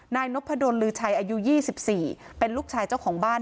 นายนพดลลือชัยอายุ๒๔เป็นลูกชายเจ้าของบ้าน